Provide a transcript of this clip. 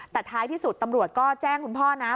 แต่ท้ายที่สุดตำรวจก็แจ้งคุณพ่อนะ